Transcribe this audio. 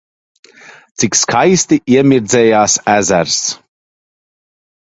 Cik skaisti iemirdzējās ezers!